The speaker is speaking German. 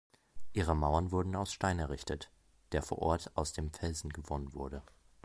Ihre Mauern wurden aus Stein errichtet, der vor Ort aus dem Felsen gewonnen wurde.